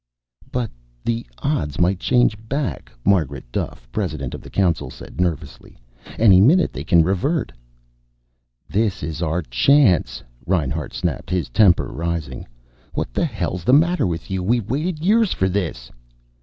"But the odds might change back," Margaret Duffe, President of the Council, said nervously. "Any minute they can revert." "This is our chance!" Reinhart snapped, his temper rising. "What the hell's the matter with you? We've waited years for this."